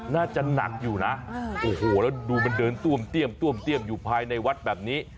น่าจะหนักอยู่นะโอ้โหแล้วดูมันเดินต้วมเตี้ยมต้วมเตี้ยมอยู่ภายในวัดแบบนี้